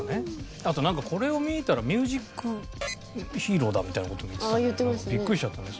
あとなんか「これを見たらミュージックヒーローだ」みたいな事も言ってたね。